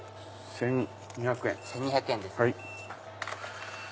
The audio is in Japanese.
１２００円です。